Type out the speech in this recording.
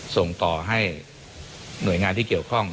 ส่งต่อให้หน่วยงานที่เกี่ยวข้อง